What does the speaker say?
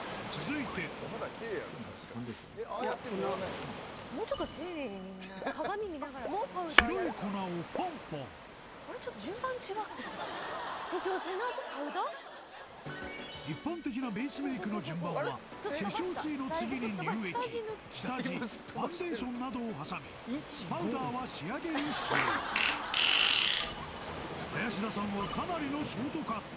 いや粉白い粉をポンポン一般的なベースメイクの順番は化粧水の次に乳液下地ファンデーションなどを挟みパウダーは仕上げに使用林田さんはかなりのショートカット